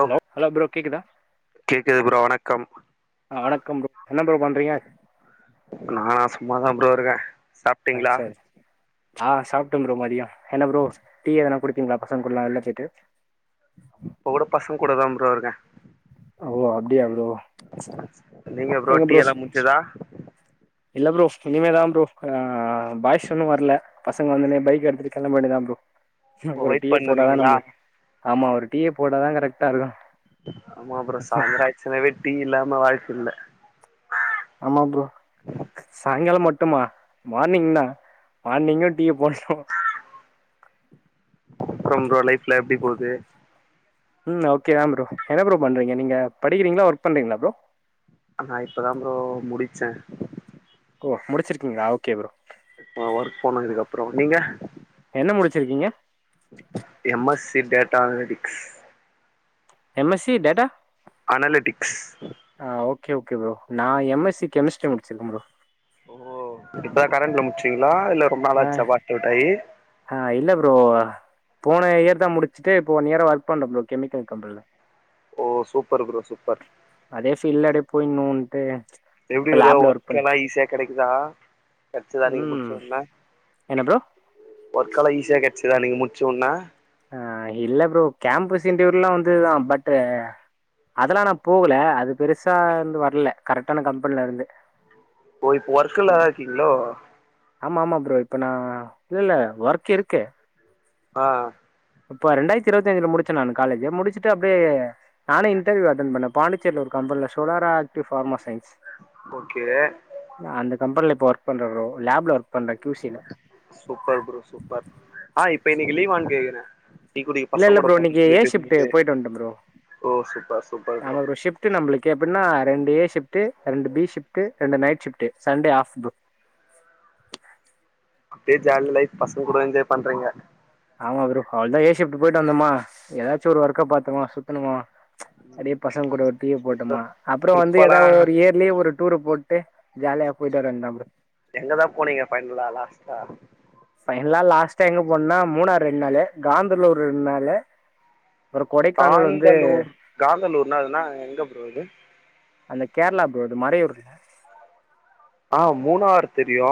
Hello hello கேக்குதா கேக்குது bro வணக்கம் ஆ வணக்கம் ப்ரோ என்ன பரோ பண்றீங்க நானா சும்மாதா ப்ரோ இருக்கே அப்புறம் இருக்க சாப் ஆ சேரி ஆ சாப்ட்ட ப்ரோ மதிய என்ன ப்ரோ டீ எதனா குடுப்பீங்களா பசங்கள் கூடல்லா வெள்ள போயட்டு இப்ப கூட பசங்க கூட தா ப்ரோ இருக்க ஆ ஓ அப்டியா ப்ரோ நீங்க ப்ரோ டி எல்லா முடஞ்சிதா இல்ல ப்ரோ இனிமேதா ப்ரோ ஆ பாய்ஸ்‌னனு ஊர் ஒன்னு வர்ல பசங்க வந்துன்னு பைக் எடுத்துட்டு கெளம்ப வேண்டயதா ப்ரோ இப்ப ஒரு வெயிட் டீய போட்டாதா பண்ணுருக்கீங்களா நம்பளுக் ஆமா ஒரு டீய போட்டாதா கரெக்டா இருக்கும் ஆமா அப்புற சாய்ந்தரம் ஆச்சனை வெட்டி இல்லாம வாழ்க்க இல்ல ஆமா ப்ரோ சாயங்காலம் மட்டுமா மார்னிங்னா மார்னிங்கோ டீய போட்டோ அப்பற உங்க லைஃப்லா எப்டி போது ம் ஓகே தா ப்ரோ என்ன ப்ரோ பண்றீங்க நீங்க படிக்கிறீங்களா ஒர்க் பண்றீங்களா ப்ரோ ஆனா இப்பதா ப்ரோ முடுச்ச ஓ முடிச்சிருக்கீங்களா ஓகே ப்ரோ நா ஒர்க் போனதுக்கப்ற நீங்க என்ன முடுச்சிருக்கீங்க M S C data analytics M S C data analytics ஆ ஓகே ஓகே ப்ரோ நா எம் எஸ் சி கெமிஸ்ட்ரி முடிச்சிருக்க ப்ரோ ஓ இப்பதா கரண்ட்ல முடுச்சீங்களா இல்ல ரொம்ப ஆ நாளாச்சா பார்ட் அவுட்டாயி ஆ இல்ல ப்ரோ போன இயர்தா முடிச்சுட்டு இப்போ ஒன் இயரா ஒர்க் பண்ற ப்ரோ கெமிக்கல் கம்பெனில ஓ சூப்பர் ப்ரோ சூப்பர் அதே பீல்ட்ல அப்டியே போய்ன்னுன்ட்டு எப்டி ப்ரோ ஒர்க்கெல்லா ஈஸியா கெடைக்குதா கெடைச்சதா நீங்க ம் முடிச்சவொனே என்ன ப்ரோ ஒர்க் எல்லாம் ஈஸியா கெடச்சிதா நீங்க முடிச்ச வொனே அ இல்ல ப்ரோ கேம்பஸ் இண்டர்வியூல்லா வந்துதுதா பட் அதெல்லா நா போல அது பெருசா இருந்து வரல கரெக்டான கம்பெனிலருந்து ஓ இப்ப ஒர்க்ல்லதா இருக்கீங்களோ ஆமா ஆமா ப்ரோ இப்ப நா இல்ல இல்ல ஒர்க் இருக்கு ஆ இப்ப ரெண்டாயிரத்தி இருபத்தஞ்சுல முடிச்ச நா காலேஜ் முடிச்சுட்டு அப்டியே நானே இன்டெர்வியூ அட்டென் பண்ண பாண்டிச்சேரில ஒரு கம்பெனில சோலரா ஃபார்மா சய்ன்ஸ் ஓகே நா அந்த கம்பெனில இப்போ ஒர்க் பண்ற ப்ரோ லேப்ல ஒர்க பண்ற கியூ சி ல சூப்பர் ப்ரோ சூப்பர் ஆ இப்ப இன்னைக்கு லீவான் கேக்குற டி குடிக்க இல்ல பசங்க இல்ல கூட ப்ரோ போறேன் இன்னைக்கு ஏ சொல்லிட்டு ஷிப்ட் மீட்டு போயிட்டு வன்ட்ட ப்ரோ ஆமா ப்ரோ ஷிப்ட் நம்மளுக்கு எப்படின்னா ரெண்டு ஏ ஷிப்ட்டு ரெண்டு பி ஷிப்ட்டு ரெண்டு நைட் ஷிப்ட்டு சண்டே ஆஃப் பு அப்டியே ஜாலி லைஃப் பசங்க கூட என்ஜாய் பண்றீங்க ஆமா ப்ரோ அவ்ளதா ஏ ஷிப்ட்டு போய்ட்டு வந்தோமா எதாச்சு ஒரு ஒர்க்க பாத்தோமா சுத்ணமா அப்டியே பசங்க கூட ஒரு டீ ய போட்டோமா அப்பற வந்து ட்ரிப்பெல்லா எதாவது ஒரு ஏப் இல்லயே ஒரு டூர போட்டு ஜாலியா போய்ட்டு வர வேண்டியதா ப்ரோ எங்கதா போனீங்க பைனலா லாஸ்ட்டா ஃபைனலா லாஸ்ட்டா எங்க போனனா மூணாறு ரெண்டு நாலு காந்தலூர் ரெண்டு நாலு காந்தலூர் காந்தலூர்னா அதுனா எங்க ப்ரோ அது அந்த கேர்ளா ப்ரோ இது மறையூர் ஆ மூணாறு தெரியு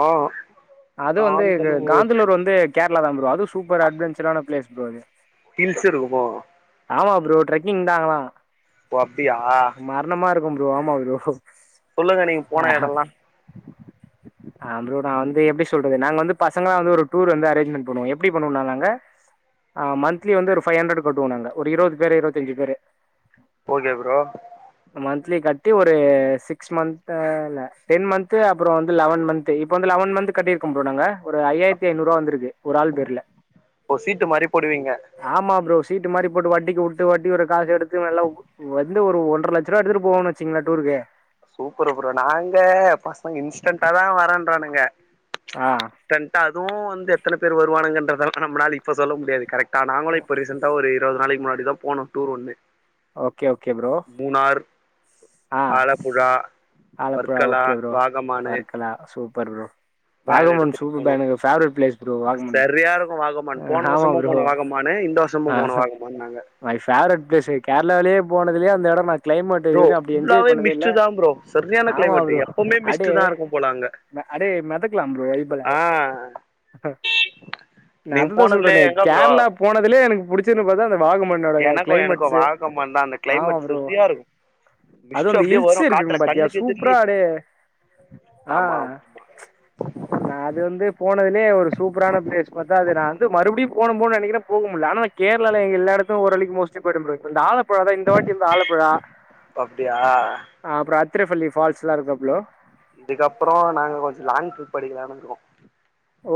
அது வந்து காந்தலூர் வந்து கேரளாதா ப்ரோ அதுவு சூப்பர் அட்வெஞ்சரான பிளேஸ் ப்ரோ அது ஹில்சு இருக்குமா ஆமா ப்ரோ ட்ரக்கிங் தா அங்களா ஓ அப்டியா மரணமா இருக்கு ப்ரோ ஆமா ப்ரோ சொல்லுங்க நீங்க போன எடல்லா அம்ப்ரோட் ஆந் இப்ப எப்டி சொல்றது நாங்க வந்து பசங்களா வந்து ஒரு டூர் வந்து அரேஞ்மெண்ட் பண்ணுவோ எப்டி பண்ணுவோனா நாங்க ஆ மந்த்லி வந்து ஒரு ஃபைவ் ஹண்டர்டு கட்டுவோ நாங்க ஒரு இருபது பேரு இருபத்தஞ்சு பேரு ஓகே ப்ரோ மந்த்லி கட்டி ஒரு சிக்ஸ் மந்த் டென் மந்த் அப்ரோ வந்து லெவன் மந்த் இப்போ வந்து லெவன் மந்த் கட்டிர்க்கோ ப்ரோ நாங்க ஒரு ஐயாயர்த்தி ஐநூருவா வந்திருக்கு ஒரு ஆள் பேர்ல ஓ சீட்டு மாரி போடுவீங்க ஆமா ப்ரோ சீட்டு மாரி போட்டு வட்டிக்கு வுட்டு வட்டியோட காச எடுத்து இவ எல்லா வந்து ஒரு ஒன்ற லட்சருவா எடுத்துட்டு போவோனு வச்சிங்லே டூருக்கு சூப்பரு ப்ரோ நாங்க பசங்க இன்ஸ்டன்டாதா வரன்றானுங்க ஆ ரெண்ட் அதுவு வந்து எத்தன பேர் வருவானுங்கன்றதொல்லா நம்மளால இப்போ சொல்ல முடியாது கரெக்ட் டா நாங்களு இப்ப ரீசெண்டா ஒரு இருவது நாளைக்கு முன்னாடிதா போனோ டூர் ஒண்ணு ஓக்கே ஓக்கே ப்ரோ மூணார் ஆ ஆலப்புழா ஆலப்புழா வர்க்கலா ஓக்கே ப்ரோ வாகமானு Varkala super bro van Vagamon எடுத்துட்டு போனோ சூப்பர் எனக்கு ஃபேவரட் பிளேஸ் ப்ரோ வாகமன் சரியா இருக்கு வாகமான் அஹ் போன ஆமா வருஷமு ப்ரோ போனோ வாகமானு இந்தோ திரும்ப ஆ போனோ வாகமான் நாங்க மை ஃபேவரட் பிளேஸ் கேரளாலேயே போனதுலயே அந்தெடம் ப்ரோ ஃபுல்லாவே மிஸ்டு தா ப்ரோ சரியான ஆமா கிளைமேட்டு ப்ரோ எப்போமே அடே மிஸ்ட் தா இருக்குபோலங்க அடே மெதக்லா ப்ரோ வைபுல நா நீங்க அதுதா போனதுலயே சொல்றனே எங்க ப்ரோ கேரளா போனதுலயே எனக்கு புடிச்சதுனு பாத்தா அந்த வாகமண்ணோட எனக்கு எனக்கு கிளைமேட்ஸ்சு வாகமான் தா அந்த ஆமா கிளைமேட் ப்ரோ சரியா இருக்கு மிஸ்ட் அதுந்த அப்டியே வரு ஹில்ஸ் காத்துல இருக்குங்க பாத்தியா கண்ணுக்கு சூப்ரா எதிர்லயே அட அ ஆமா ஆமா ஆமா நா அது வந்து போனதுலே ஒரு சூப்ரான பிளேஸ் பாத்தா அது நா வந்து மறுபடியு போனு போனு நெனைக்கிறேன் போக முல்ல ஆனா கேர்ளால எல்லாடத்து ஒரு ஓர்ரலிக்கு மோஸ்ட்லி பொய்ட ப்ரோ இந்தாளப் ப்ரோ அதா இந்த வாட்டி வந்து ஆலப்புழா அப்டியா ஆ அப்ரோ அத்திரபள்ளி ஃபால்ஸ் எல்லா இருக்கு ப்ரோ இதுக்கப்ரோ நாங்க கொஞ்சோ லாங் ட்ரிப்படிக்கலானு இருக்கோ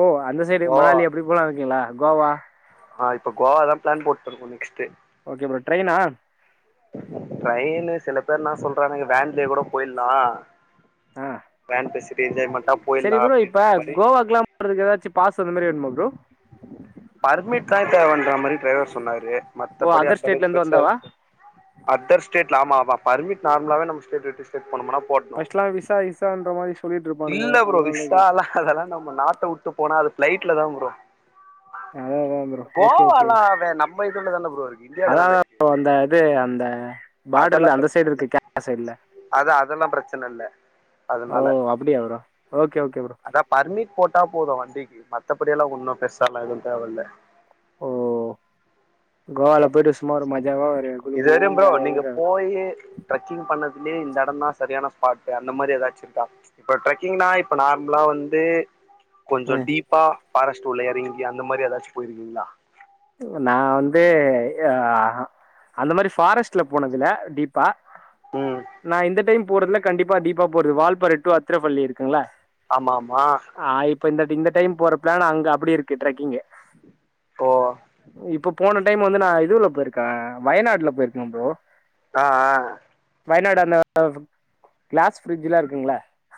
ஓ அந்த சைடு இப்போ மணாலி அப்டி போலானு இருக்கீங்களா கோவா ஆ இப்ப கோவா தா பிளான் போட்டுருக்கோ நெக்ஸ்ட்டு ஓகே ப்ரோ ட்ரெய்னா ட்ரெய்னு சில பேர்னா சொல்றானுங்க வேன்லயே கூட போய்ட்லா ஆ வேன்ல செரி என்ஜாய்மென்டா போய்ட்லா அப்டின்ற மாரி உங்களுக்கு ஏதாச்சு பாஸ்சல் மேரி வேணுமா ப்ரோ பர்மிட் தா தேவன்ற மாரி டிரைவர் சொன்னாரு ஓ மத்தபடி அதர் ஸ்டேட்ல அந்தளவு இருந்து பெர்சா வந்தாவா அதர் ஸ்டேட்ல ஆமாமா பர்மிட் நார்மலாவே நம் ஸ்டேட் விட்டு ஸ்டேட் போனம்னா பஸ்ட்லா விசா இசான்ன்ற மாரி சொல்லிட்டுருப்பானுங்க இல்ல ப்ரோ அதனாலதா கேட் விசாலா அதெல்லா நம்ம நாட்ட உட்டு போனா அது பிளைட்ல தா ப்ரோ அதேதா ப் ஓகே ஓகே கோவாலா அவ நம்ம இதுல தான ப்ரோ இருக்கு இந்தியால தான இருக்கு அதாத அந்த இது அந்த அதெல்லா பாடர்ல அந்த பிரச்சன சைடு இல்ல இருக்கு கேரளா சைடுல அத அதெல்லா பிரச்சன இல்ல ஓ அதனால அப்டியா ப்ரோ ஓகே ஓகே ப்ரோ அதா பர்மிட் போட்டா போது வண்டிக்கு மத்தபடில்லா ஒன்னு பெர்சாலா எது தேவல்ல ஓ கோவால போய்ட்டு சும்மா ஒரு மஜாவா ஒரு குளு இது குளு வரயு குளுன்னு ப்ரோ ஜாலியா நீங்க இருந்துட்டு போயி ட்ரக்கிங் பண்ணதுலேயே இந்த எடந்தா சரியான ஸ்பாட் அந்த மாரி ஏதாச்சிருக்கா இப்ப ட்ரெக்கிங்லா இப்ப நார்மலா வந்து கொஞ்ச டீப்பா பாரஸ்ட் உள்ள எறங்கி அந்த மாரி ஏதாச்சு போயிருக்கீங்களா நா வந்து அந்த மாரி ஃபாரஸ்ட்ல போனதில்ல டீப் பா ம் நா இந்த டைம் போறதுல கண்டிப்பா டீப்பா போறது வால்பார டூ அத்திரபள்ளி இருக்குங்கள ஆமா ஆமா ஆ இப்போ இந்த இந்த டைம் போற பிளான் அங்க அப்டியே இருக்கு ட்ரக்கிங்கு போ இப்போ போன டைம் வந்து நா இதுல போயிருக்கே வயநாடுல போயிருக்கே ப்ரோ ஆ ஆ வயநாடு அந்த கிளாஸ் பிரிட்ஜ்லா இருக்குங்ள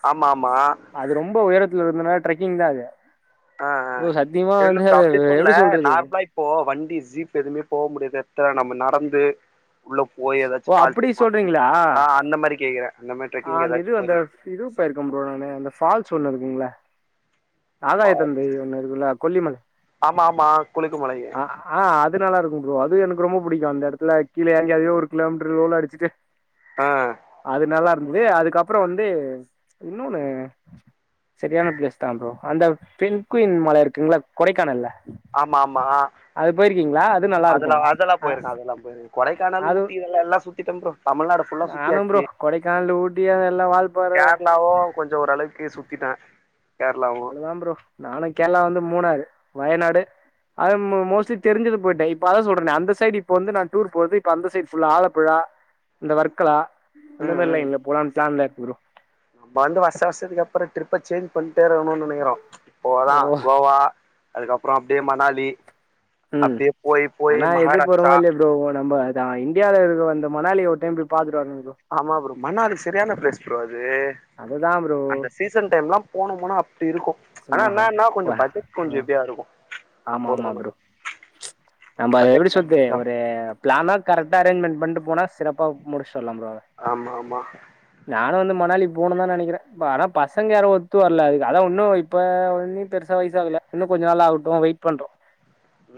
ஆமா ஆமா அது ரொம்ப உயரத்துல இருந்தனால ட்ரெக்கிங் தா அது ஆஹ ப்ரோ சத்தியமா வந்து எதுனா அது அப்டி சொல்லல எப்படி சொல்றது நார்மலா இப்போ வண்டி ஜீப் எதுவுமே போக முடியாது எடத்துல நம்ம நடந்து உள்ள போய் எதாச்சு ஓ அப்டி பாத்து சொல்றீங்களா [inaudible] அ அந்த மாரி கேக்குறே அந்த மாரி ட்ரக்கிங் எதாச்சு போயிருக் திரு பார்க் போனோனே அந்த ஃபால்ஸ் ஒண்ணு இருக்குங்கள ஆதாய தம்பி ஒன்னு இருக்குல்ல கொல்லிமலை ஆமா ஆமா குளுகுமலைய ஆ ஆ அது நல்ல இருக்கு ப்ரோ அது எனக்கு ரொம்ப புடிக்கு அந்த எடத்துல கீழ எறங்கி அதுவே ஒரு கிலோமீட்டர் ரோல் அடிச்சிட்டு ஆ அது நல்லா இருந்தது அதுக்கப்புறம் வந்து இன்னோன்னு சரியான பிளேஸ் தா ப்ரோ அந்த பெண்க்வின் மல இருக்குங்கள கொடைக்கானல்ல ஆமா ஆமா அது போயிருக்கீங்களா அது நல்லா இருக்கு அதுல்லா அதுல்லா அ போயிருக்கே அதுல்லா போயிருக்கே கொடைக்கானல் ஊட்டி இதெல்லல்லா சுத்திட்டே ப்ரோ தமிழ்நாடு ஃபுல்லா நானும் ப்ரோ சுத்தியாச்சு கொடைக்கானல் ஊட்டி அது எல்லா வால்பாற கொஞ்ச ஓரளவுக்கு சுத்திட்டே கேரளாவு அவ்வளவுதா ப்ரோ நானு கேரளா வந்து மூணாறு வயநாடு அது மோஸ்லி தெரிஞ்ச போயிட்டே இப்ப அதா சொல்றே அந்த சைடு இப்ப வந்து நா டூர் போறது இப்ப அந்த சைடு ஃபுல்லா ஆலப்புலா இந்த வர்க்கலா அந்த ம் மாரிலா ம் இல்ல போலாம்னு பிளான்ல இருக்கிறே ப்ரோ வந்து வருஷ வருஷத்துக்கு அப்புற ட்ரிப்ப சேஞ்ச் பண்ணிட்டேருகணுனு நெனைக்றோ இப்போதா ஓ கோவா அதுக்கப்புற அப்டியே மணாலி ம் அப்டியே போய் போய் ஆனா எது மஹாராஷ்டிரா போறோமோ இல்லையோ ப்ரோ நம்ம இந்தியாவில இருக்கு வந்த மணாலிய ஒரு டைம் பாத்துட்டுவரனு ப்ரோ ஆமா ப்ரோ மணாலி சரியான ப்ளேஸ் ப்ரோ அது அது தா ப்ரோ அந்த சீசன் டைம்லா போன போனா அப்டி இருக்கு ஆனா சும்மா என்னன்னா கொஞ்ச வா பட்ஜெட் கொஞ்ச ம் ஹெவியா இருக்கு நம்ம ஆமா ஆமா போறதுனா ப்ரோ நம்ம பட்ஜெட் எப்டி பிளான் சொல்றது பண்ணிதா ஒரு போனு பிளானா கரெக்டா அரேஞ்ச்மெண்ட் பண்ட்டு போனா சிறப்பா முடிச்சிட்டு வரலா ப்ரோ ஆமா ஆமா நானு வந்து மணாலி போணுனுதா நெனைக்கிறே ஆனா பசங்க யாரு ஒத்து வர்ல அதுக்கு அதா இன்னு இப்ப ஒண்ணு பெருசா வயசு ஆகல இன்னு கொஞ்ச நாள் ஆகட்டு வெயிட் பண்றோ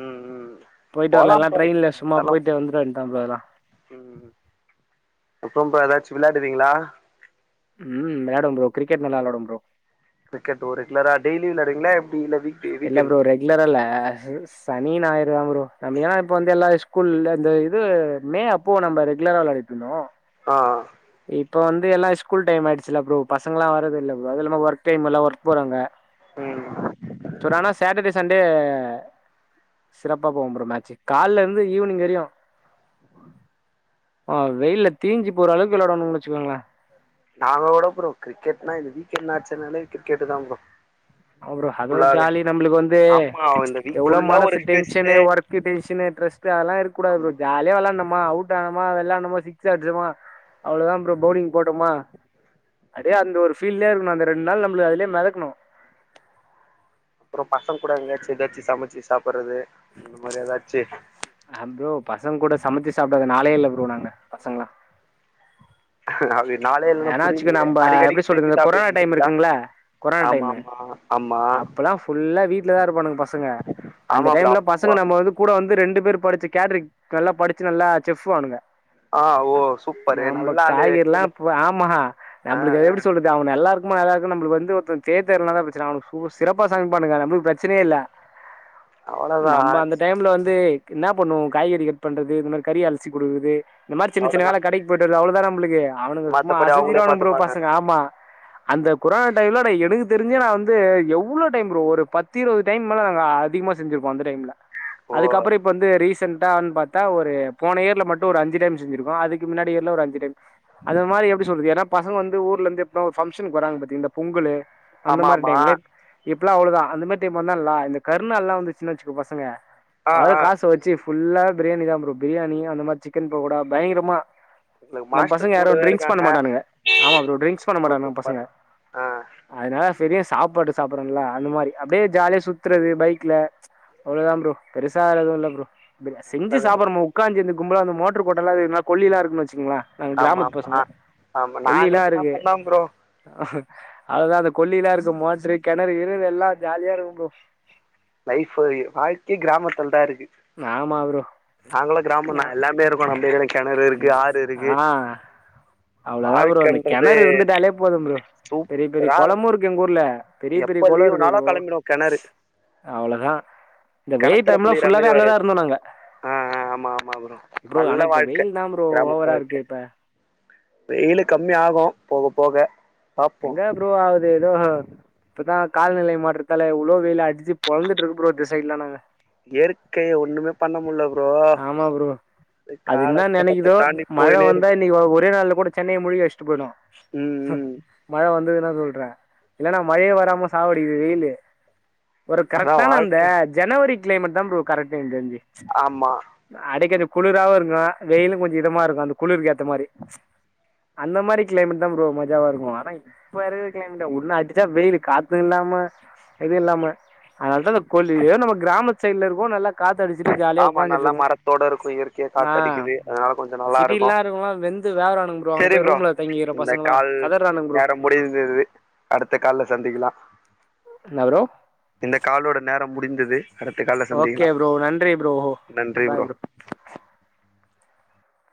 ம் ம் போய்ட்டு போலா வரலாம்னு ப்ரோ ட்ரெயின்ல எப்ப சும்மா இருந்தாலு போயிட்டு வந்துர வேண்டியதா ப்ரோ அதுலா ம் அப்றம்பா எதாச்சு விளாடுவீங்களா ம் விளாடுவே ப்ரோ கிரிக்கெட் நல்லா விளாடுவே ப்ரோ கிரிக்கெட் ஓ ரெகுலரா டெய்லி விளாடுவீங்களா எப்டி வீக்லியா இல்ல ப்ரோ ரெகுலரா இல்ல ஆஸூ சனி நாயிறுதா ப்ரோ வியாழன் அப்ப வந்து எல்லா ஸ்கூலுல்ல இந்த இது மே அப் போ நம்ம ரெகுலரா விளாடிட்ருந்தோ அ அ இப்ப வந்து எல்லா ஸ்கூல் டைம் ஆயிடுச்சுல ப்ரோ. பசங்களா வாரது இல்ல ப்ரோ. அது இல்லாம, ஒர்க் டைமுல்ல ஒர்க் போறாங்க. ம் ம் ம் பட் ஆனா சாட்டடே சண்டே சிறப்பா போகு ப்ரோ மேட்ச்சு காலேல இருந்து ஈவ்னிங் வரையு ஆ வெயில்ல தீஞ்சு போற அளவுக்கு விளைடுவானுங்கனு வச்சுக்கோங்களே. நாங்க கூட ப்ரோ, கிரிக்கெட்னா இது வீக்கெண்ட் மேட்ச்சுனாலே கிரிக்கெட்டுதா ப்ரோ. அப்பறோ அது ஒரு ஃபுல்லாவே ஜாலி நம்மளுக்கு வந்து ஆமா இந்த வீக் எவ்ளோ ஃபுல்லா ஒரு மனசு tension, stress work tension, stress அதல்லா இருக்கக்கூடாது ப்ரோ ஆமா ஜா ஜாலியா விளாணமா, அவுட் ஆனமா, விளாணமா, சிக்ஸ் அடுச்சமா அவ்ளதா ப்ரோ பவ்லிங் போட்டமா அப்டியே அந்த ஒரு ஃபீல்லயே இருக்கணு அந்த ரெண்டு நாள் நம்ம அதுலயே மெதக்கணு அப்பறோ பசங்க கூட எங்கயாச்சு எதாச்சு சமச்சு சாப்பற்றது அது மாரி எதாச்சு அ ப்ரோ பசங்க கூட சமச்சு சாப்டாத நாளே இல்ல ப்ரோ நாங்க பசங்களா அது நாளே இல்லனா ஏனா வச்சுக்க புரிலயே நம்ப அடிக்கடிக்கு எப்டி சொல்றது செஞ்சு இந்த கொரோனா டைம் சாப்ருகேன்றிங்ளா ஆமா ஆமா அப்பில்லா ஃபுல்லா வீட்லதா இருப்பானுங்க பசங்க அந்த ஆமா ப்ரோ டைம்ல அப்போ பசங்க நம்ம ஆமா வந்து கூட வந்து ரெண்டு பேர் படுச்சு கேட்ரிங் நல்லா படுச்சு நல்லா ஷெஃப்பு அவனுங்க ஆ ஓ சூப்பரு நல்லா ஆளு காய்கறிலா ஆமா ஆ நம்மளுக்கு அது ஆ எப்டி சொல்றது? இது அவன் நல்லாருக்குமா நல்லா இருக்கா நம்பளுக்கு வந்து ஒருத்தர் கேட்டர்னாதா பிரச்சன அவனுங்க சூ சிறப்பா சமைப்பானுங்க நம்பளுக்கு பிரச்சனயே இல்ல [inaudible] நம்ம அந்த டைம்ல வந்து என்னா பண்ணுவோ காய்கறி கட் பண்றது இந்த மாரி கறி அலசி குடுக்கறது இந்த மாரி சின்ன சின்ன அவ்ளோதா வேல கடைக்கு போய்ட்டு வரது அவ்ளதா நம்பளுக்கு அவனுங்க சும்மா மத்தபடி அவங்களே அசத்திர்வானுங்க ப்ரோ பாத்துப்பாங்க பசங்க ஆமா அந்த கொரானா டைம்லோட எனக்கு தெரிஞ்சு நா வந்து எவ்ளோ டைம் ப்ரோ ஒரு பத்து இருவது டைம் மேல நாங்க அதிகமா செஞ்சிருக்கோ அந்த டைம்ல. ஓ அதுக்கப்பறோ இப்ப வந்து ரீசன் டான் பாத்தா ஒரு போன இயர்ல மட்டு ஒரு அஞ்சு டைம் செஞ்சுருக்கோ அதுக்கு முன்னாடி இயர்ல ஒரு அஞ்சு டைம் இந்த மாரி எப்டி சொல்றது ஏன்னா பசங்க வந்து ஊர்ல இருந்து எப்பனா ஒரு பங்சன்க்கு வறாங்க பாத்தீங்க இந்த பொங்கலு அந்த ஆமா மாரி ஆமா டைம்ல இப்பல்லா அவ்ளதா அந்த மாரி டைம் வந்தா லா இந்த கருணால்லா வந்துச்சுன் வச்சுக்கோ பசங்க ஆ வர ஆ காச வச்சு ஃபுல்லாவே பிரியாணி தா ப்ரோ பிரியாணி அந்த மாரி சிக்கன் பகோடா பயங்கரமா ஒனக் நம்ம மாஸ்டர் பசங்க யாரு கூடவே இருக்கா ட்ரிங்க்ஸ் பண்ண மாட்டானுங்க ஆமா ப்ரோ ட்ரிங்க்ஸ் பண்ண மாட்டானுங்க பசங்க சூப்பர் ஆ அதுனால சரியா சாப்பாட்டு சாப்பற்றன்ல அந்த மாரி அப்டியே ஜாலியா சுத்துறது பைக்ல அவ்ளோதா ப்ரோ பெருசா வேற எதுவு இல்ல ப்ரோ செஞ்சு நல்லது ப்ரோ சாப்பற்றமா உக்காந்து சேந்து கும்பலா அந்த மோட்ரு கோட்டன்ல அது நா கொல்லிலா இருக்குன் வச்சுக்கங்ளே நாங்க ஆமா கிராமத்து பசங்க. ஆமா ஆமா நாங்களு கொல்லிலா இருக்கு. கிராமந்தா ப்ரோ அதா அந்த கொல்லிலா இருக்கு மோட்ரு கெணறு கிணறு எல்லா ஜாலியா இருக்கு ப்ரோ. லைஃப்பு வாழ்க்கயே கிராமத்லதா இருக்கு ஆமா ப்ரோ நாங்களு கிராமந் தா நா எல்லாமே இரு ப்ரோ நம்ம ஏரியால இங் ஆ அவ்ளதா ப்ரோ. அந்த வாழ்க்கன்றது கெணறு இருந்துட்டாலே போதும் ப்ரோ. பெரிய பெரிய கொளமு இருக்கு எங்க ஊர்ல. பெரிய பெரிய எப்ப கொளொ இருக்கு லீவுனாலு ப்ரோ கெளம்பிடுவோ கெணறு அவ்ளதா இந்த வெயில் கெணத்துல டைம்ல குளிக்கிற ஃபுல்லாவே மாரி அங்கதா வராது இருந்தோ நாங்க ஆ ஆ ஆமா ஆமா ப்ரோ நல்ல ஆனா இப்ப வாழ்க்க வெயில்தா ப்ரோ கிராமத்து ஓவரா இருக்கு வாழ்க்க இப்ப வெயிலு கம்மி ஆகு போகப் போக பாப்போ எங்க ப்ரோ ஆவுது எதோ ஹ இப்பதா கால்நிலை மாற்றத்தால இவ்ளோ வெயிலு அடிச்சு பொலந்துட்டுருக்கு ப்ரோ இந்த சைடுலானாங்க இயற்கைய ஒண்ணுமே பண்ண முடில ப்ரோ ஆமா ப்ரோ அது என்ன காலகட்டத்த நனைக்குதோ தாண்டி மழ போயினே வந்தா இருக்கு இன்னிக்கு ஒ ஒரே நாள்ல கூட சென்னைய மூழ்கி அடிச்சிட்டு போயிடு ம் ஹ ம் மழ வந்ததுன்னா சொல்ற இல்லன்னா மழையே வராம சாவடிக்குது வெயிலு ஒரு அதா கரெக்டான அந்த வாழ்க்க ஜனவரி கிளைமேட் தா ப்ரோ கரெட்டு எனக்கு தெரிஞ்சு ஆமா அடைக்கர்து குளிராவு இருக்கு வெயிலு கொஞ்சோ இதமா இருக்கு அந்த குளிருக்கு ஏத்த மாரி அந்த மாரி கிளைமேட்தா ப்ரோ மஜாவா இருக்கு ஆனா இப்ப இருக்குற கிளைமேட்டா ஒன்னு அடிச்சா வெயில்லு காத்து இல்லாம எது இல்லாம அதனால தா அந்த கொல்லி ஏ நம்ம கிராமத் சைடுல இருக்கோவ் நல்லா காத்து அடிச்சுட்டு ஜா ஜாலியா ஆமா ஒக்காஞ்சிட்டு நல்லா இருக்கோ மரத்தோட இருக்கு இயற்கையா நா காத்தடிக்குது அதனால கொஞ்சோ இந் நல்லா இருக்கு சிட்டில்லா இருக்கறோங்ளா வெந் ந்து வேவறானுங்க ப்ரோ செரி அங்கபோய் ரூம்ல தங்கிற பசங்கள கதர்றானுங்க ப்ரோ நேரோ முடிந்தது அடுத்த கால்ல சந்திக்கலா என்ன ப்ரோ இந்த காலோட நேரம் முடிந்தது அடுத்த கால்ல ஓகே சந்திக்கலா ப்ரோ நன்றி ப்ரோ நன்றி ப்ரோ